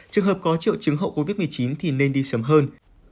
trường hợp có triệu chứng hậu covid một mươi chín thì nên đi sớm hơn